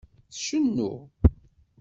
Tcennu?